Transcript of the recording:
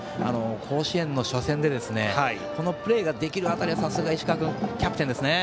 甲子園の初戦でこのプレーができる辺りがさすが石川君、キャプテンですね。